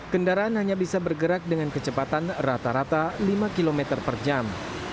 kendaraan hanya bisa bergerak dengan kecepatan rata rata lima km per jam